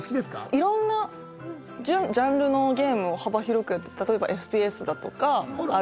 いろんなジャンルのゲームを幅広くやって例えばＦＰＳだとかＲＰＧだとか。